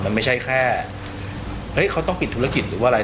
มันไม่ใช่แค่เฮ้ยเขาต้องปิดธุรกิจหรือว่าอะไร